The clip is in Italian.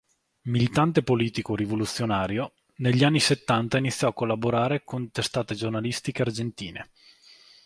Militante politico rivoluzionario, negli anni settanta iniziò a collaborare con testate giornalistiche argentine.